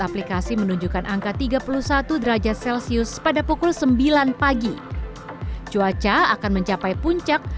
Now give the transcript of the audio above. aplikasi menunjukkan angka tiga puluh satu derajat celcius pada pukul sembilan pagi cuaca akan mencapai puncak